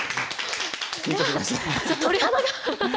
鳥肌が。